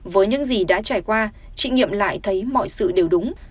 với những gì đã trải qua chị nghiệm lại thấy mọi sự đều đúng